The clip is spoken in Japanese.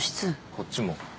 こっちも。